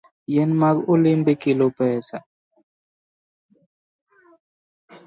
Yien mag olembe kelo pesa.